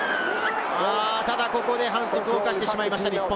ただここで反則を犯してしまいました、日本。